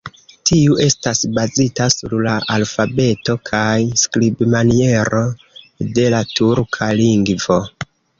Tiu estas bazita sur la alfabeto kaj skribmaniero de la turka lingvo.